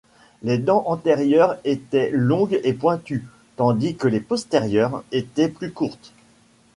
Les dents antérieures étaient longues et pointues, tandis que les postérieures étaient plus courtes.